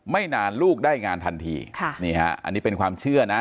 ไม่นานลูกได้งานทันทีค่ะนี่ฮะอันนี้เป็นความเชื่อนะ